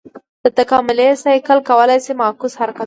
دا تکاملي سایکل کولای شي معکوس حرکت وکړي.